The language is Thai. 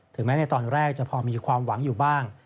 แม้ในตอนแรกจะพอมีความหวังอยู่บ้าง